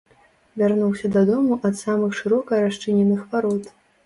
Вярнуўся дадому ад самых шырока расчыненых варот.